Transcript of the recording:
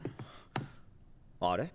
あれ？